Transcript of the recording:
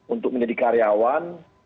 untuk menjadi karyawan